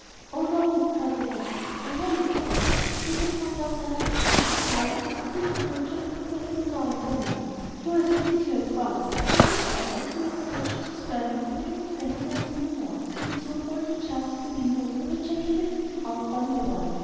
'Oh no,' cried the hedgehog, 'I really couldn't. They would find out directly! And, besides, it is so different just eating a little now and then.' 'Do as I bid you at once,' said the jackal, looking at the hedgehog so sternly that the little fellow dared say no more, and soon rolled the jars to the window where the jackal lifted them out one by one.